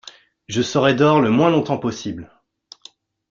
Je serai dehors le moins longtemps possible.